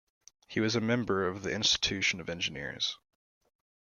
He was a member of the Institution of Engineers.